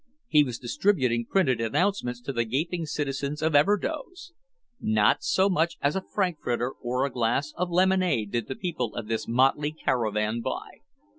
He was distributing printed announcements to the gaping citizens of Everdoze. Not so much as a frankfurter or a glass of lemonade did the people of this motley caravan buy.